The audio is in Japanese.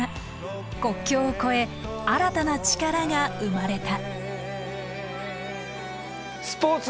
国境を越え新たな力が生まれた。